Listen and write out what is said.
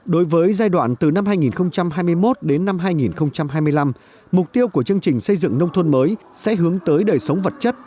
đối với giai đoạn từ năm hai nghìn hai mươi một đến năm hai nghìn hai mươi năm mục tiêu của chương trình xây dựng nông thôn mới sẽ hướng tới đời sống vật chất